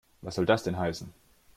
Was soll das denn heißen?